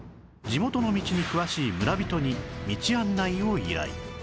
地元の道に詳しい村人に道案内を依頼